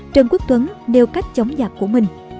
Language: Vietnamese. trần quốc tuấn đeo cách chống giặc của mình